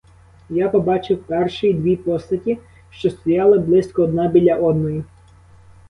Я побачив перший дві постаті, що стояли близько одна біля одної.